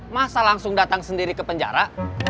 masa langsung datang sendiri ke penjara